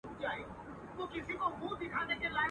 ماخستن مهال په وروستۍ دعا سره پای ته ورسېده